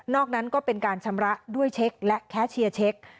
นั้นก็เป็นการชำระด้วยเช็คและแคชเชียร์เช็ค